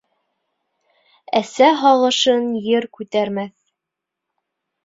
Әсә һағышын ер күтәрмәҫ.